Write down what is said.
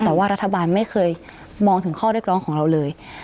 แต่ว่ารัฐบาลไม่เคยมองถึงข้อเรียกร้องของเราเลย